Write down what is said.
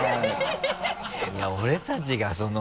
いや俺たちがその。